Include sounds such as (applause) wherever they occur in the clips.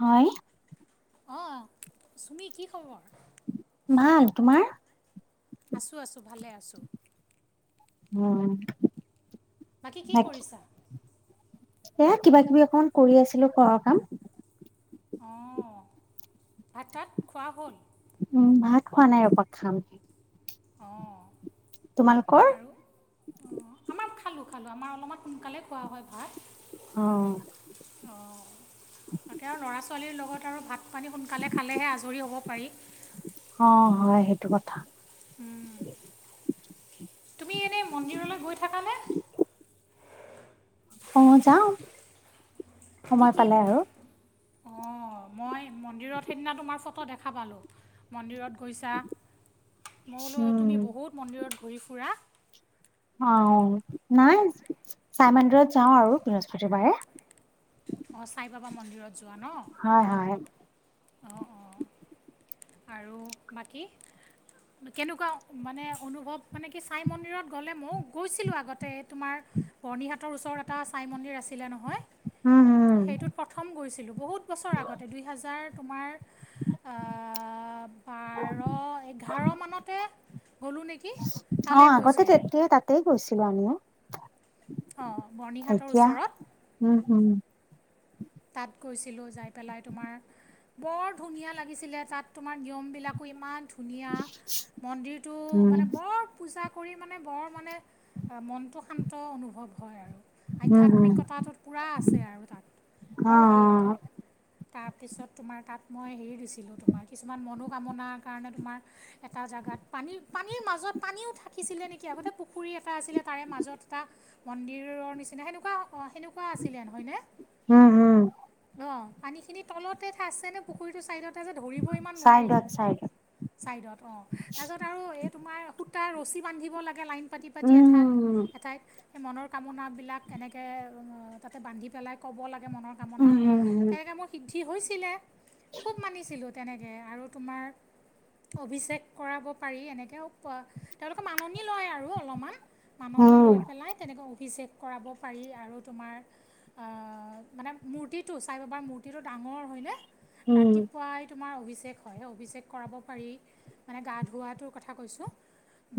হয় আহ চুমি কি খবৰ ভাল তোমাৰ আছোঁ আছোঁ ভালে আছোঁ উম বাকী কি কৰিছা এয়া কিবা কিবি অকমান কৰি আছিলো ঘৰ কাম অ ভাত চাত খোৱা হ'ল উম ভাত খোৱা নাই ৰবা খাম অহ তোমালোকৰ আমাৰ খালোঁ আমাৰ অলপমান সোনকালে খোৱা হয় ভাত অ', অ তাকে আৰু ল'ৰা ছোৱালীৰ লগত আৰু ভাত পানী সোনকালে খালেহে আজৰি হ'ব পাৰি এইটো কথা তুমি এনেই মন্দিৰলৈ গৈ থাকানে অহ' যাওঁ। কি সময় কি পালে নো আৰু। মন্দিৰত সেইদিনা তোমাৰ ফটো দেখা পালোঁ। মন্দিৰত গৈছা মই বোলো তুমি উম। বহুত মন্দিৰত ঘূৰি ফুৰা অহ' নাই চাই মন্দিৰত যাওঁ আৰু বৃহস্পতিবাৰে। অহ' চাই বাবা মন্দিৰত। হয়, হয়। অহ অহ আৰু বাকী। কেনেকুৱা মানে অনুভৱ মানে কি চাই মন্দিৰত গ'লে ময় গৈছিলোঁ আগতে তোমাৰ বৰ্ণিহাটৰ ওচৰত এটা ছাই মন্দিৰ আছিলে নহয়। উম, উম। সেইটোত প্ৰথম গৈছিলোঁ বহুত বছৰ আগতে দুই হাজাৰ তোমাৰ বাৰ, এঘাৰ মানতে গ'লোঁ নেকি তালৈ অ' আগতে গৈছিলোঁ তেতিয়া তাতেই গৈছিলো আমিও। অঁ বৰ্ণিহাটৰ এতিয়া ওচৰত উম হম তাত গৈছিলোঁ। যায় পেলাই তোমাৰ বৰ ধুনীয়া লাগিছিলে তাত তোমাৰ নিয়ম বিলাকো ইমান ধুনীয়া মন্দিৰটো উম, মানে বৰ পূঁজা কৰি মানে বৰ মানে মনটো শান্ত অনুভৱ হয় আৰু। উম, হুম, আধ্যাত্মিকতাটোত পুৰা আছে আৰু তাত বৰ ভাল লাগে। অ', তাৰপিছত তোমাৰ তাত মই হেৰি দিছিলোঁ তোমাৰ কিছুমান মনোকামনাৰ কাৰণে তোমাৰ এটা তাত পানী পানীৰ মাজত পানীও থাকিছিলে নেকি আগতে পুখুৰী এটা আছিলে তাৰে মাজত এটা মন্দিৰ মন্দিৰৰ নিচিনা সেনেকুৱা সেনেকুৱা আছিলে নহয় নে অ (unintelligible) অহ' পানীখিনি তলতে আছে নে? পুখুৰীটোৰ চাইদত তাৰপিছত ধৰিব ইমান নোৱাৰি চাইডত কিন্তু চাইডত। ছাইডত অহ তাৰপিছত আৰু এই তোমাৰ সূ তাৰ ৰছী বান্ধিব লাগে লাইন পাতি পাতি উম, এঠাইত, উম, এঠাইত সেই মনৰ কামনাবিলাক এনেকে তাতে বান্ধি পেলাই ক'ব লাগে। মনৰ কামনা। উম, উম, তেনেকে মই সি সিদ্ধি হৈছিলে। খুব মানিছিলোঁ তেনেকৈ আৰু তোমাৰ অভিষেক কৰাব পাৰি এনেকে তেওঁলোকে মাননি লয় আৰু অলপমান মাননি লৈ উম, পেলাই তেনেকৈ অভিষেক কৰাব পাৰি আৰু তোমাৰ আহ মানে মূৰ্তিটো চাই বাৰ মূৰ্তিটো ডাঙৰ হয়নে উম। ৰাতিপুৱাই তোমাৰ অভিষেক ষেক হয়, অভিষেক কৰাব পাৰি মানে গা ধুৱাটোৰ কথা কৈছোঁ।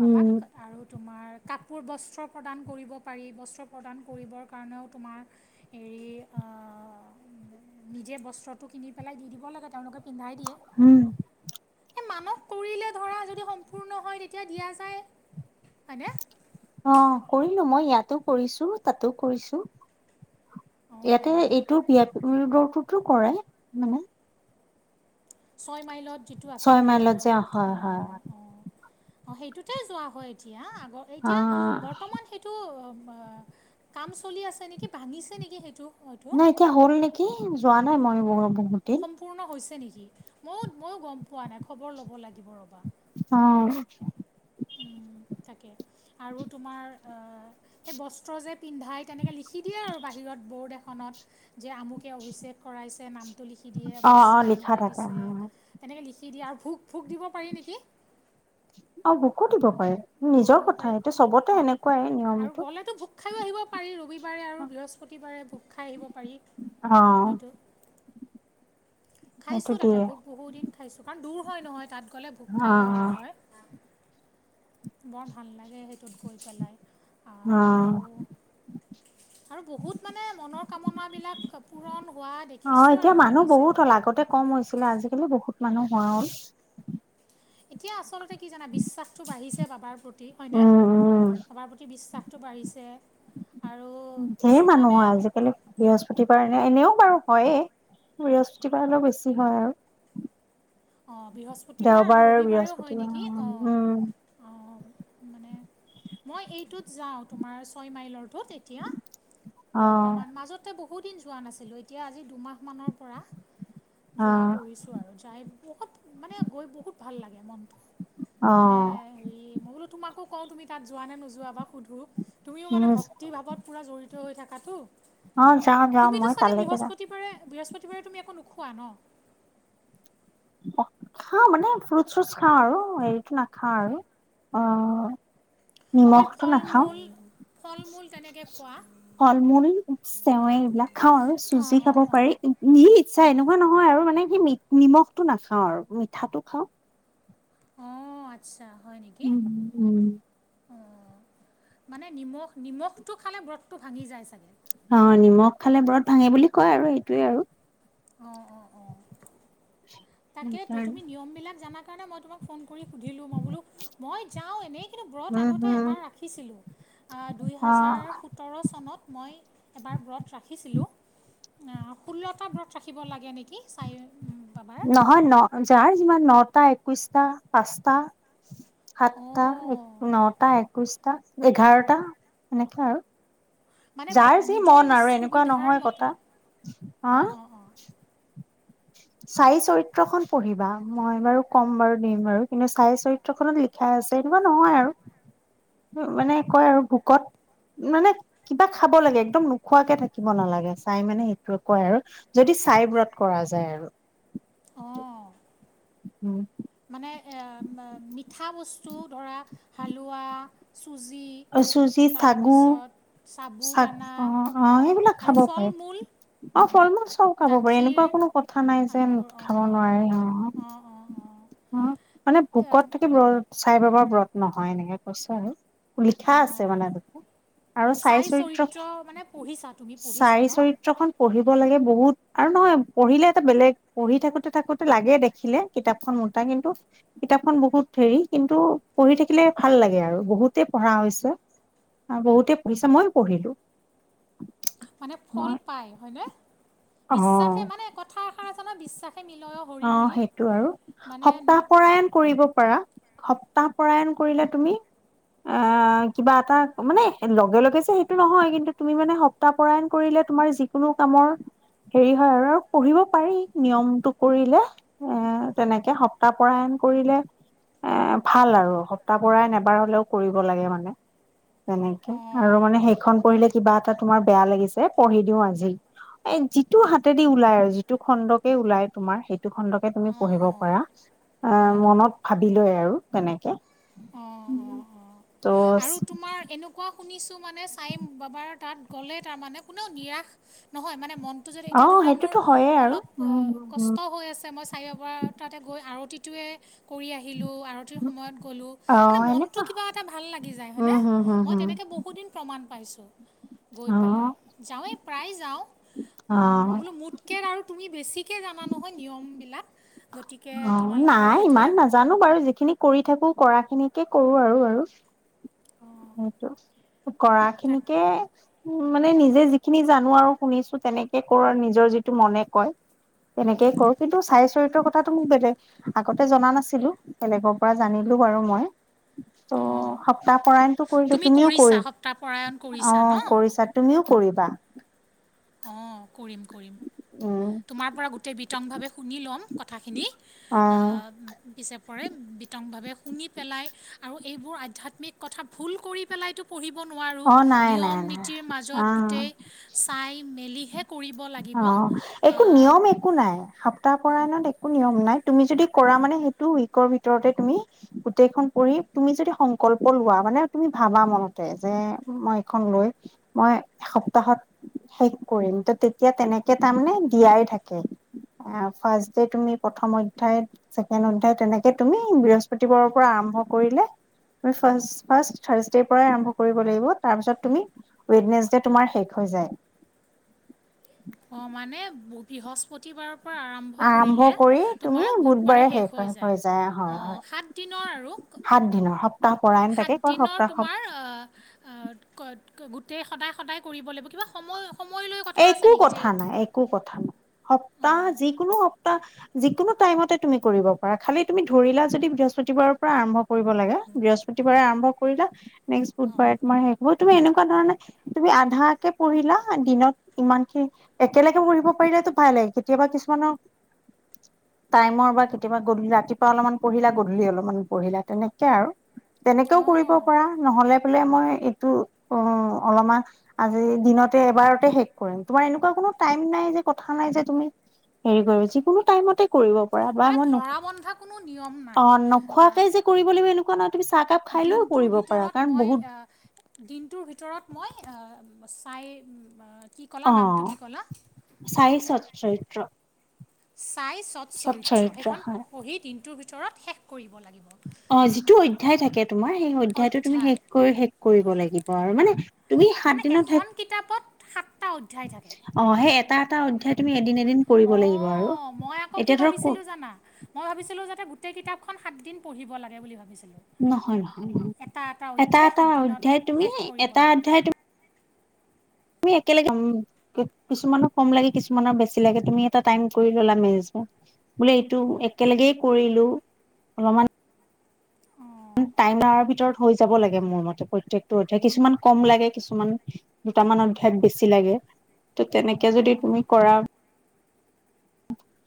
বাবাক আৰু তোমাৰ কাপোৰ বস্ত্ৰ প্ৰদান কৰিব পাৰি বস্ত্ৰ প্ৰদান কৰিবৰ কাৰণেও তোমাৰ হেৰি আহ নিজে বস্ত্ৰটো কিনি পেলাই দি দিব লাগে তেওঁলোকে পিন্ধাই দিয়ে উম, হে মানস কৰিলে ধৰা যদি সম্পূৰ্ণ হয় তেতিয়া দিয়া যায়। হয়নে? অহ' কৰিলো মই ইয়াতো কৰিছো তাতো কৰিছো। ইয়াতে অঁ এইটো বিয়াত উম মন্দিৰ কৰে মানে। ছয় মাইলত যিটো আছে ছয় ভি আই পি মাইলত যে ৰো'ডত হয় হয়। অহ অহ অহ সেইটোতে যোৱা হয় এতিয়া আগৰ অ। এতিয়া বৰ্তমান সেইটো বা কাম চলি আছে নেকি ভাঙিছে নেকি সেইটো? হয়তো নাই, এতিয়া হ'ল নেকি যোৱা নাই মই বহুত দিন। সম্পূৰ্ণ হৈছে নেকি? ময়ো ময়ো গম পোৱা নাই খবৰ ল'ব লাগিব ৰ'বা। অহ উম! তাকে আৰু তোমাৰ সেই বস্ত্ৰ যে পিন্ধাই তেনেকে লিখি দিয়ে আৰু বাহিৰত বৰ্ড এখনত যে আমোকে অভিষেক কৰাইছে, নামটো লিখি দিয়ে, অ অ বস্ত্ৰ লিখা আমোকে থাকে দিছে, অ। এনেকে লিখি কি দিয়া আৰু ভোক-ভোক দিব পাৰি নেকি? অ, ভোকো দিব পাৰে, ভোগ নিজৰ দিব কথা পাৰি এইটো চবতে অঁ এনেকুৱাই। আৰু নিয়মটো। গ'লেতো ভোগ খাইয়ো আহিব পাৰি, ৰবিবাৰে আৰু বৃহস্পতিবাৰে ভোগ খাই আহিব পাৰি। অ হয়তো সেইটো খাইছোঁ তাতে দিয়ে ভোক বহুদিন খাইছোঁ, কাৰণ দূৰ হয় নহয় তাত গ'লে ভোক অ অ। খাইয়ে অহা হয়। বৰ ভাল লাগে সেইটোত গৈ পেলাই, অ আৰু (unintelligible) আৰু বহুত মানে, মনৰ কামনাবিলাক পূৰণ হোৱা অ দেখিছোঁ এতিয়া আৰু মই মানুহ নিজে। বহুত হ'ল আগতে কম হৈছিলে আজিকালি বহুত মানুহ হয় অহ এতিয়া আচলতে কি জানা বিশ্বাসটো বাঢ়িছে বাবাৰ প্ৰতি হয়নে উম উম। বাবাৰ প্ৰতি বিশ্বাসটো বাঢ়িছে আৰু ঢেৰ মানুহ কিছুমানে হয় আজিকালি বৃহস্পতিবাৰে নে এনেও বাৰু হয়ে বৃহস্পতিবাৰলৈও বেছি হয় আৰু অঁহ বৃহস্পতিবাৰ আৰু দেওবাৰ ৰবিবাৰেও হয় বৃহস্পতিবাৰ নেকি অঁহ উম। অ, মানে মই এইটোত যাওঁ। তোমাৰ ছয় মাইলৰ টো তেতিয়া। অ বৰ্তমান মাজতে বহু বহুদিন যোৱা নাছিলোঁ, এতিয়া আজি দুমাহমানৰ পৰা অ যোৱা কৰিছোঁ আৰু। যাই বহুত মানে গৈ বহুত ভাল লাগে মনটো, অ মানে হেৰি মই বোলো তোমাকো কওঁ তুমি তাত যোৱা নে নোযোৱা বা সুধো, তুমিও মানে উম ভক্তি ভাৱত পূৰা জড়িত হৈ থাকাটো। অ, যাওঁ-যাওঁ মই তালৈকে যাওঁ। তুমি-তুমি একো নোখোৱা ন? খাওঁ মানে, ফ্ৰুট-চ্ৰুট খাওঁ আৰু হেৰিটো নাখাওঁ আৰু, অ অকল নিমখটো নাখাওঁ। ফল-মূল, ফল-মূল তেনেকে খোৱা? ফল-মূল, চেৱে এইবিলাক খাওঁ আৰু অঁ চুজি অঁ খাব অঁ পাৰি, নিজৰ ইচ্ছা অঁ এনেকুৱা নহয় আৰু আৰু মানে সেই নিমখটো নাখাওঁ আৰু মিঠাটো খাওঁ। আহ, আচ্ছা হয় নেকি। উম উম। অ, মানে নিমখ, নিমখটো খালে ব্ৰতটো ভাঙি যায় চাগে। অ, নিমখ খালে ব্ৰত ভাঙে বুলি কয় আৰু, সেইটোৱে আৰু। অ-অ-অ, তাকেইতো সেইকাৰণে তুমি নিয়মবিলাক জানা কাৰণে মই তোমাক ফোন কৰি সুধিলো মই বোলো, মই যাওঁ এনেই কিন্তু ব্ৰত উম আগতে হুম এবাৰ ৰাখিছিলো। আ দুই অ হাজাৰ সোতৰ চনত। মই এবাৰ ব্ৰত ৰাখিছিলোঁ, ষোল্লটা ব্ৰত। ৰাখিব লাগে নেকি? চাই উম, বাবাৰ নহয় ন, যাৰ যিমান নটা, একৈশটা, পাঁচটা। সাতটা, এক, অঁ নটা, একৈশটা, এঘাৰটা এনেকে আৰু। মানে যাৰ ব- যি নিজৰ মন ইচ- আৰু, এনেকুৱা সুবিধাৰ নহয় মতে কথা, হা হয় চাই চৰিত্ৰ খন পঢ়িবা, মই বাৰু, ক'ম বাৰু, দিম বাৰু, কিন্তু চাই চৰিত্ৰ খনত লিখা আছে। তেনেকুৱা নহয় আৰু, মানে কয় আৰু ভোকত মানে কিবা খাব লাগে, একদম নোখোৱাকে থাকিব নালাগে, চাই মানে সেইটোৱে কয় আৰু যদি চাই ব্ৰত কৰা যায় আৰু। অঁ উম মানে এ মিঠা বস্তু ধৰা হালোৱা, চুজি। চুজি, চাগু তাৰপিছত চ সাবুদানা অ-আহ অঁ সেইবিলাক আৰু খাব ফল পাৰে। মূল অ, ফল-মূল চব খাব পাৰি, এনেকুৱা গাখীৰ কোনো কথা নাই আ, যে সেইবোৰ খাব অঁ নোৱাৰে, অ অঁ অঁ অঁ অ, মানে তে ভোকত থাকি ব্ৰত, চাই বাবা ব্ৰত নহয়, এনেকে কৈছে আৰু। লিখা আছে অঁ মানে তাতে। আৰু চাৰি চাই চৰিত্ৰ, মানে পঢ়িছা তুমি পঢ়িছা চাৰি ন চৰিত্ৰখন পঢ়িব। পঢ়িব লাগে বহুত, আৰু নহয় পঢ়িলে এটা বেলেগ পঢ়ি থাকোতে-থাকোতে লাগে দেখিলে কিতাপখন মোটা কিন্তু কিতাপখন বহুত হেৰি কিন্তু পঢ়ি থাকিলে ভাল লাগে আৰু বহুত ইয়াতে পঢ়া হৈছো, বহুতে পঢ়িছে মই পঢ়িলো। মানে ফল মই পায় হয় নে? অ বিশ্বাসে মানে কথা এষাৰ আছে নহয় বিশ্বাস অ সেইটো আৰু মানে সপ্তাহ পৰায়ন কৰিব পাৰা। সপ্তাহপৰায়ণ কৰিলে তুমি অ কিবা এটা মানে লগে লগে যে সেইটো নহয় কিন্তু তুমি মানে সপ্তাহ পৰায়ণ কৰিলে তোমাৰ যিকোনো কামৰ হেৰি হয় আৰু আৰু পঢ়িব পাৰি নিয়মটোক। কৰিলে, এ তেনেকে সপ্তাহপৰায়ন কৰিলে এ ভাল আৰু, সপ্তাহ পৰায়ণ এবাৰ হ'লেও কৰিব লাগে মানে। তেনেকে, আৰু অঁ মানে সেইখন পঢ়িলে কিবা এটা তোমাৰ বেয়া লাগিছে, পঢ়ি দিওঁ আজি। এ যিটো হাতেদি ওলাই, আৰু যিটো খণ্ডকে ওলাই। তোমাৰ সেইটো খণ্ডকে তুমি অঁ পঢ়িব অঁ পাৰা, অ, মনত ভাবি লৈ আৰু তেনেকে। অ অ অ। ত' আৰু তোমাৰ এনেকুৱা শুনিছোঁ মানে চাইম বাবাৰ তাত গলে তাৰমানে কোনেও নিৰাস নহয় মানে মন টো যদি অ এতিয়া ধৰা মোৰ সেইটোতো হয়ে আৰু অলপ উম হম হম কষ্ট হৈ আছে মই চাৰে বাবাৰ তাতে গৈ আৰতিত টোৱে কৰি আহিলো আৰতিৰ সময়ত গলো অ মানে মনটো এনেকুৱা কিবা এটা ভাল লাগি যায়। উম হয়নে হম হম মই হম তেনেকৈ বহুত দিন প্ৰমাণ পাইছোঁ গৈ অ পেলাই যাৱেই প্ৰায় যাও, অ উম‌ মই বোলো মোতকৈ আৰু তুমি বেছি মোতকে জানা নহয় নিয়মবিলাক। গতিকে অ তোমালোকৰ নাই সেইটোৱে ইমান নাজানো বাৰু যিখিনি কৰি থাকো কৰা খিনি তে কৰো আৰু আৰু। অঁ সেইটো কৰা তাক খিনিকে উন মানে নিজে যিখিনি জানো আৰু শুনিছো তেনেকে কৰো আৰু নিজৰ যিটো মনে কয়। তেনেকেই কৰো কিন্তু চাই চৰিত্ৰৰ কথাটো মোক বেলেগ আগতে জনা নাছিলো, বেলেগৰ পৰা জানিলো। দু বাৰু মই, ত অঁ সপ্তাহ পৰাই মই ত কৰিলো তুমি তুমিও কৰিছা কৰি, সপ্তাহপৰায়ণ অ কৰিছা ন কৰিছা তুমিও কৰিবা। অঁ কৰিম কৰিম। উম, তোমাৰ পৰা গোটেই বিতংভাৱে শুনি ল'ম কথাখিনি, অ আ পিছে পৰে বিতংভাৱে শুনি পেলাই আৰু এইবোৰ আধ্যাত্মিক কথা ভুল কৰি পেলাইতো পঢ়িব কৰিব নোৱাৰো, অ নাই নাই নিয়ম নাই -নীতিৰ অ মাজত গোটেই চাই মেলিহে কৰিব অ লাগিব একো নিয়ম একো নাই, সপ্তাহ কৰাত একো নিয়ম নাই, তুমি যদি কৰা মানে সেইটো উইকৰ ভিতৰতে তুমি গোটেইখন কৰি তুমি যদি সংকল্প লোৱা মানে তুমি ভাবা মনতে যে মই এইখন লৈ মই সপ সপ্তাহত শেষ কৰিম। ত তে এতিয়া তেনেকে তাৰমানে দিয়াই থাকে, এ ফাৰ্ষ্ট দে তুমি প্ৰথম অধ্যায়ত চে তেনেকে তুমি বৃহস্পতিবাৰৰ পৰা আৰম্ভ কৰিলে তুমি ফাষ্ট ফাষ্ট থাৰ্চ দে পৰাই আৰম্ভ কৰিব লাগিব, তাৰপিছত তুমি ৱেডনেচ দে তোমাৰ শেষ হ হৈ যায়। (unintelligible) বৃহস্পতিবাৰ পৰা আৰম্ভ কৰিলে, তোমাৰ বুধবাৰে শেষ হৈ যায়, অঁ সাতদিনৰ আৰু। সাত দিনৰ সপ সাত দিনৰ তোমাৰ আ আ গ গোটেই সদায় সদায় কৰিব লাগিব কিবা সময় সময় লৈ কথা আছে একো নেকি যে কথা নাই একো কথা নাই, সপ্তাহ অঁ যিকোনো সপ্তাহ যিকোনো টাইমতে তুমি কৰিব পাৰা, খালি তুমি ধৰিলা যদি বৃহস্পতিবাৰৰ পৰা আৰম্ভ কৰিব লাগে বৃহস্পতিবাৰে আৰম্ভ কৰিলা, নেক্স অঁ বুধবাৰে তোমাৰ শে মোৰ তুমি এনেকুৱা ধৰণে তুমি আধাকে পঢ়িলা, দিনত ইমানখিনি একেলগে পঢ়িব পাৰিলেটো ভাল লাগে কেতিয়াবা কিছুমানৰ (inaudible) টাইমৰ বা কেতিয়াবা গধুলি ৰাতিপুৱা অলপমান পঢ়িলা গধূলি অলপমান পঢ়িলা তেনেকে আৰু। তেনেকেও কৰিব অঁ পৰা নহলে বোলে মই এইটো অ', অলপমান আজি এ দিনতে এবাৰতে শেষ কৰিম তোমাৰ এনেকুৱা কোনো টাইম নাই যে কথা নাই যে তুমি হেৰি কৰো যিকোনো টাইমতে কৰিব পৰা বা মানে মই ন ধৰা বন্ধা কোনো নিয়ম নাই অ', নোখোৱাকে আহ, যে কৰিব লাগিব এনেকুৱা নহয় তুমি চাহ তাহ দিনটোৰ ভিতৰত মই আহ দিনটোৰ ভিতৰত মই আহ চাই আ অ, চাই চত চৰিত্ৰ চাই চত সৎ চৰিত্ৰ, সেইখন হয় পঢ়ি দিনটোৰ ভিতৰত শেষ কৰিম। অ যিটো অধ্যায় থাকে তোমাৰ সেই অধ্যায়টো তুমি অধ্যায় শেষ কৰি শেষ কৰিব লাগিব আৰু মানে তুমি সাত মানে দিনত শেষ এখন কিতাপত সাতটা অধ্যায় থাকে। অ সেই এটা এটা অধ্যায় তুমি এদিন এ দিন কৰিব লাগিব আৰু, অঁ মই আকৌ কি এতিয়া ধৰক ভাবিছিলোঁ জানা মই ভাবিছিলোঁ যাতে গোটেই কিতাপখন সাতদিন পঢ়িব লাগে বুলি ভাবিছোঁ। নহয়, নহয়, নহয় এটা অধ্যায় এটা সাতদিনত অধ্যায় তুমি শেষ কৰিব এটা লাগে অধ্যয়ায় তু আমি একেলগে উম কিছুমানৰ কম লাগে কিছুমানৰ বেছি লাগে তুমি এটা টাইম কৰি ল'লা মেজ বোলে এইটো একেলগেই কৰিলো, অলপমান অঁ টাইমাৰ ভিতৰত হৈ যাব লাগে মোৰ মতে প্ৰত্যেকটো অধ্যয়ায় কিছুমান কম লাগে কিছুমান দুটামান অধ্যয়ত বেছি লাগে, ত' তেনেকে যদি অঁ তুমি কৰা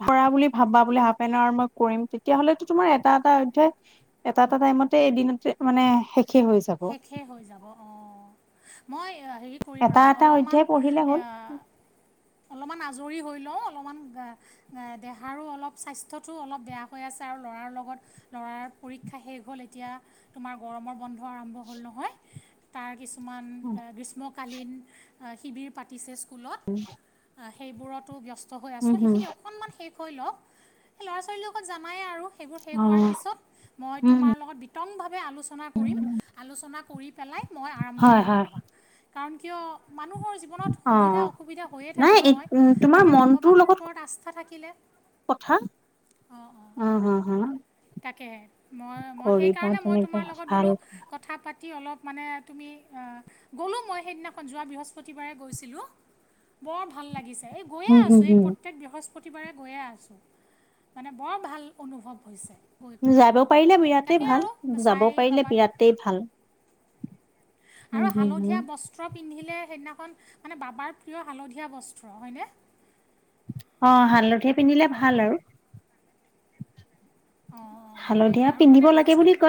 কৰা বুলি ভাবা ন আৰু মই কৰিম তেতিয়া হলেতো তোমাৰ এটা এটা অধ্যয়ায়, এটা এটা (unintelligible) প্ৰথমত এদিনতে মানে শেষেই হৈ যাব। শেষে হৈ যাব অ', মই এয়া হেৰি কৰিম এটা ৰ'বা এটা অলপমান অধ্যায় পঢ়িলে হ'ল। এয়া অলপমান আজৰি হৈ লৈ মইয়ো অলপমান গা আ দেহাৰো অলপমান অলপ স্বাস্থ্যটো অলপ বেয়া হৈ আছে আৰু ল'ৰাৰ লগত ল'ৰাৰ পৰীক্ষা শেষ হ'ল এতিয়া তু গৰমৰ বন্ধ আৰম্ভ হ'ল নহয়, তাৰ কিছুমান গ্ৰীষ্ম কালীন, আহ শিবিৰ পাতিছে স্কুলত, আহ সেইবোৰতো ব্যস ষ্ট হৈ আছো উম হুম সেইখিনি অকনমান শেষ হৈ লওক, ল'ৰা ছোৱালীৰ লগত জানাই আৰু। সেইবোৰ শেষ অ হোৱাৰ পিছত মই উম তোমাৰ হুম লগত বিতংভাৱে আলোচনা কৰিম। আলোচনা কৰি পেলাই মই আৰম্ভ হয় কৰিম হয় ৰ'বা, কাৰণ কিয় মানুহৰ জীৱনত অ সুবিধা অসুবিধা হৈয়ে থাকে নাই নহয়, তোমাৰ তাকে মনটোৰ ভগৱানৰ লগত ওপৰত আস্থা থাক কথা, অঁ উম, উম, উম। তাকেহে, মই-মই সেইকাৰণে মই তেনেকে তোমাৰ লগত ভাল বোলো কথা পাতি অলপ মানে তুমি আহ গ'লো মই সেইদিনাখন যোৱা বৃহস্পতিবাৰে গৈছিলো। বৰ ভাল লাগিছে এই গৈয়ে হম আছো হম এই হম প্ৰত্যয়েক বৃহস্প প্ৰতিবাৰে গৈয়ে আছোঁ, মানে বৰ ভাল অনুভৱ হৈছে। গৈ পেলাই যাব পাৰিলে বিৰাটে তাকে ভাল আৰু যাব চাই পাৰিলে বাবা বিৰাটেই ভাল। উম আৰু হুম হুম হালধীয়া বস্ত্ৰ পিন্ধিলে সেইদিনা খন মানে বাবাৰ পিন্ধা হালধীয়া বস্ত্ৰ হয় নে? অ', হালধি পিন্ধিলে ভাল আৰু। অঁ অঁ তেনেকৈ হালধীয়া আৰু পিন্ধিব মানে লাগে বুলি বৃহস্পতিবাৰে কয়।